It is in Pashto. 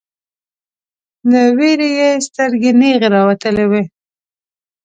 له ویرې یې سترګې نیغې راوتلې وې